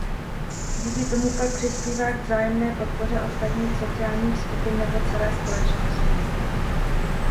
Díky tomu pak přispívá k vzájemné podpoře ostatních sociálních skupin nebo celé společnosti.